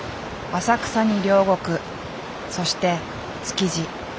浅草に両国そして築地。